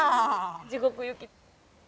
地獄行き。